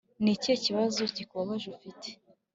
Ni ikihe kibazo kikubabaje ufite